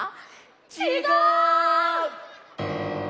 ちがう！